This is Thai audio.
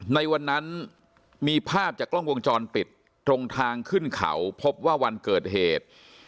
ในวันนั้นมีภาพจากกล้องวงจรปิดตรงทางขึ้นเขาพบว่าวันเกิดเหตุ